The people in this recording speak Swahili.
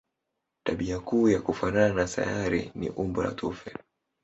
Tabia kuu ya kufanana na sayari ni umbo la tufe.